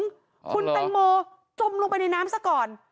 คุณแตงโมจมลงไปในน้ำซะก่อน